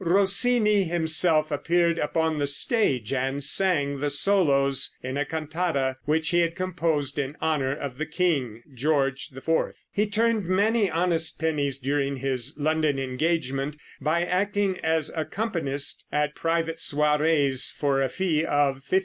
Rossini himself appeared upon the stage and sang the solos in a cantata which he had composed in honor of the King, George IV. He turned many honest pennies during his London engagement by acting as accompanist at private soirées for a fee of £50.